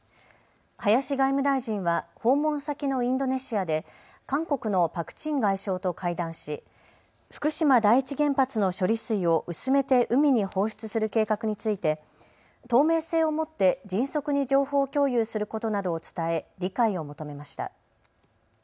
林外務大臣は訪問先のインドネシアで韓国のパク・チン外相と会談し福島第一原発の処理水を薄めて海に放出する計画について透明性を持って迅速に情報共有することなどを伝え理解を求めました。